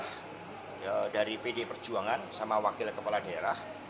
kepala kepala kepala dairah dari pd perjuangan sama wakil kepala dairah